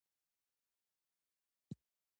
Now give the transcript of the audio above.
دا نظریه د امریکا د اقتصادي ډیپلوماسي ریښه ده